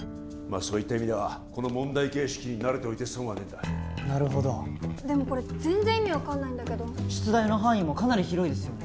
あそういった意味ではこの問題形式に慣れておいて損はねえんだなるほどでもこれ全然意味分かんないんだけど出題の範囲もかなり広いですよね